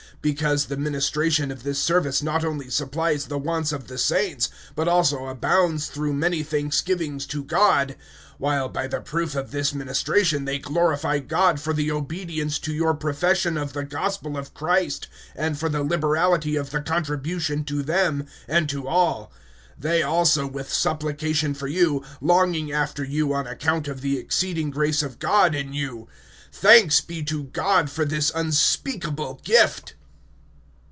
(12)Because the ministration of this service not only supplies the wants of the saints, but also abounds through many thanksgivings to God; (13)while by the proof of this ministration they glorify God for the obedience to your profession of the gospel of Christ, and for the liberality of the contribution to them, and to all; (14)they also, with supplication for you, longing after you on account of the exceeding grace of God in you. (15)Thanks be to God for his unspeakable gift!